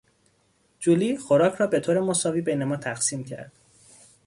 جولی خوراک را بطور مساوی بین ما تقسیم کرد.